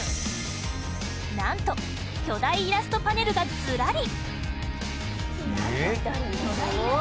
なんと、巨大イラストパネルがずらり！